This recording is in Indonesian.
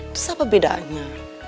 itu siapa bedanya